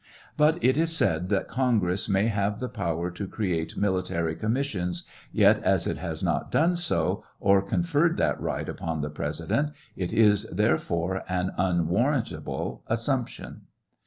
But it is said that Congress may have the power to create military commissioni yet as it has not done so, or conferred that right upon the President, it is, therf fore, an unwarrantable assumption.